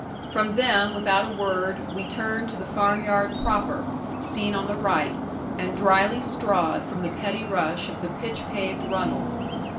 From them without a word, we turn to the farm yard proper, seen on the right, and dryly strawed from the petty rush of the pitch paved runnel.